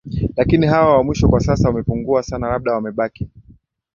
lakini hawa wa mwisho kwa sasa wamepungua sana labda wamebaki